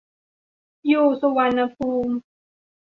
อยู่สุวรรณภูมิ